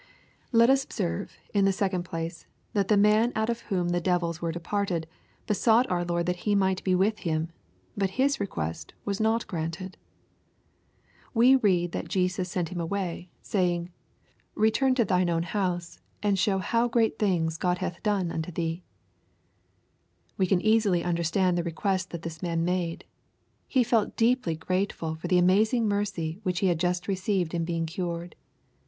Let us observe, in tne second place, that the man out of whom the devils were departed^ besought ow J^ord thai he might he with Him^ hut his request was not granted. Wa read that Jesus sent him away, sayings 276 EXPOSITOBT THOUGHTS. ^^ Beturu to thine own house, and show how great things God hath done unto thee/' We can easily understand the request that this man made. He felt deeply grateful for the amazing mercy which he had just received in being cured.